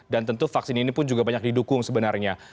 dan tentu vaksin ini pun juga banyak didukung sebenarnya